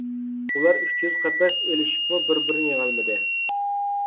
ئۇلار ئۈچ يۈز قەپەس ئېلىشىپمۇ بىر - بىرىنى يېڭەلمىدى.